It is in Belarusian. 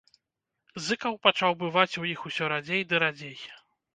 Зыкаў пачаў бываць у іх усё радзей ды радзей.